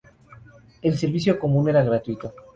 El servicio común era gratuito.